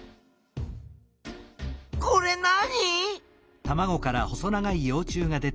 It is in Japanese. これ何？